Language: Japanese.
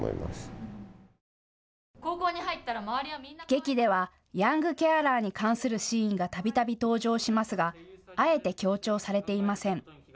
劇ではヤングケアラーに関するシーンがたびたび登場しますがあえて強調されていません。